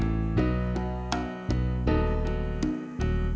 hibik kepada faulfirstech